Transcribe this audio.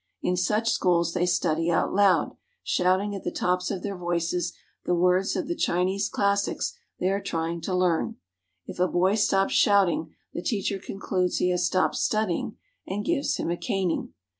In such schools they study out loud, shouting at the tops of their voices the words of the Chinese classics they are try ing to learn. If a boy stops shouting, the teacher concludes he has stopped studying, and gives him a caning.